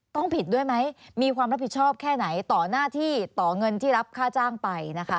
ต้องผิดด้วยไหมมีความรับผิดชอบแค่ไหนต่อหน้าที่ต่อเงินที่รับค่าจ้างไปนะคะ